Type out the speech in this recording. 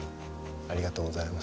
ありがとうございます。